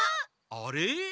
あれ？